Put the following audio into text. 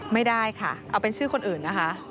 ไม่ได้ค่ะเอาเป็นชื่อคนอื่นนะคะ